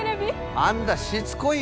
あんだしつこいよ。